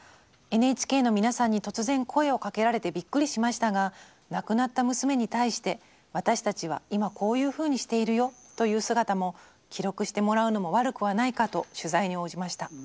ＮＨＫの皆さんに突然声をかけられてびっくりしましたが亡くなった娘に対して私たちは今こういうふうにしているよという姿も記録してもらうのも悪くはないかと取材に応じました。